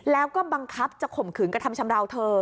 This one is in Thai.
แล้วก็บังคับจะข่มขืนกระทำชำราวเธอ